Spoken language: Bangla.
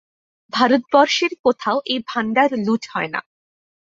ভারতবর্ষের কোথাও এই ভান্ডার লুট হয়না।